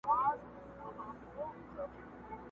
چوپه خوله سو له هغې ورځي ګونګی سو!